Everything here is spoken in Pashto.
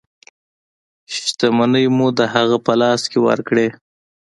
شتمنۍ مو د هغه په لاس کې ورکړې.